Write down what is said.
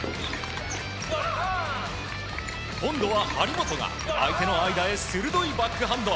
今度は張本が相手の間へ鋭いバックハンド！